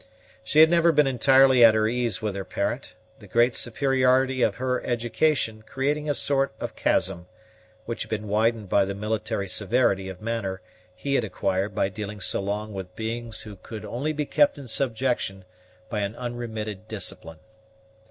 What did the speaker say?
She had never been entirely at her ease with her parent, the great superiority of her education creating a sort of chasm, which had been widened by the military severity of manner he had acquired by dealing so long with beings who could only be kept in subjection by an unremitted discipline.